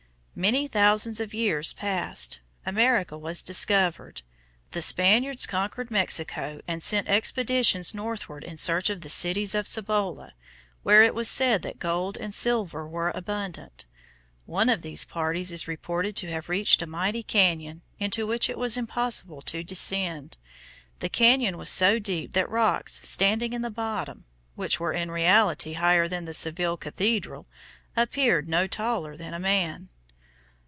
Many thousands of years passed. America was discovered. The Spaniards conquered Mexico and sent expeditions northward in search of the cities of Cibola, where it was said that gold and silver were abundant. One of these parties is reported to have reached a mighty cañon, into which it was impossible to descend. The cañon was so deep that rocks standing in the bottom, which were in reality higher than the Seville cathedral, appeared no taller than a man.